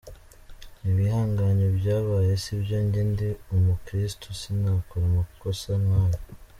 Nibihangane ibyabaye sibyo, njye ndi umukristu sinakora amakosa nk’ayo.